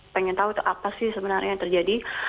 pengen tahu itu apa sih sebenarnya yang terjadi